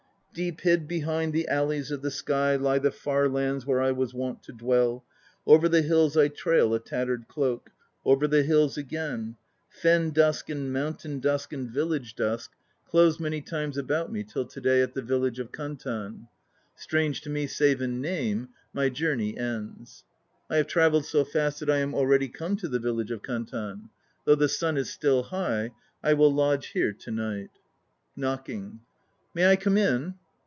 Deep hid behind the alleys of the sky Lie the far lands where I was wont to dwell. Over the hills I trail A tattered cloak; over the hills again: Fen dusk and mountain dusk and village dusk 1 Corresponds to the modern province Hupeh. 156 KANTAN 157 Closed many times about me, till to day At the village of Kantan, Strange to me save in name, my journey ends. I have travelled so fast that I am already come to the village of Kantan. Though the sun is still high, I will lodge here to night (Knocking.) May I come in?